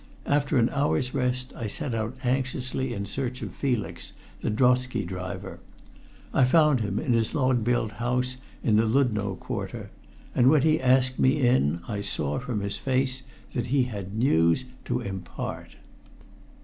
After an hour's rest I set out anxiously in search of Felix, the drosky driver. I found him in his log built house in the Ludno quarter, and when he asked me in I saw, from his face, that he had news to impart.